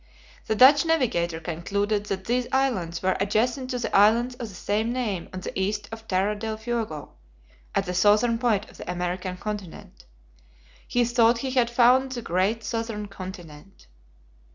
The Dutch navigator concluded that these islands were adjacent to the islands of the same name on the east of Terra del Fuego, at the southern point of the American continent. He thought he had found "the Great Southern Continent."